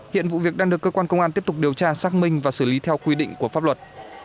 hiện vụ việc đang được cơ quan công an tiếp tục điều tra xác minh và xử lý theo quy định của pháp luật